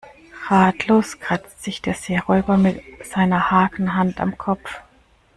Ratlos kratzt sich der Seeräuber mit seiner Hakenhand am Kopf.